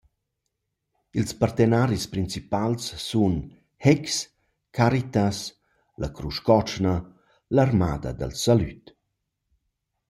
Ils partenaris principals sun Heks, Caritas, la Crusch cotschna, l’Armada dal salüd.